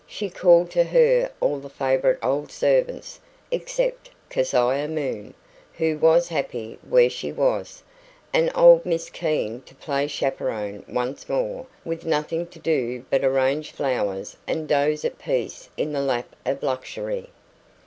She called to her all the favourite old servants except Keziah Moon, who was happy where she was and old Miss Keene to play chaperon once more, with nothing to do but arrange flowers and doze at peace in the lap of luxury.